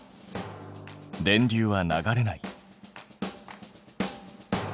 電流は流れない。